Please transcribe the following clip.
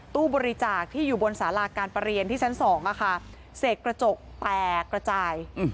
ตู้บริจาคที่อยู่บนสาราการประเรียนที่ชั้น๒เสกกระจกแตกกระจาย